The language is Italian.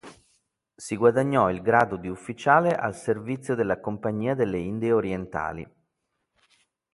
Si guadagnò il grado di ufficiale al servizio della compagnia delle Indie Orientali.